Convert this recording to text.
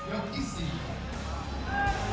ยกที่สี่